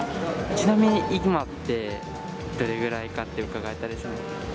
ちなみに今って、どれぐらいかってうかがえたりしますか？